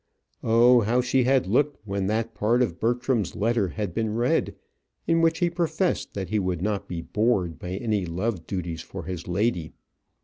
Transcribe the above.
Oh, how she had looked when that part of Bertram's letter had been read, in which he professed that he would not be bored by any love duties for his lady!